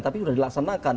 tapi sudah dilaksanakan